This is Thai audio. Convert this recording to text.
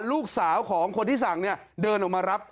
ลูกสาวของคนที่สั่งเนี่ยเดินออกมารับ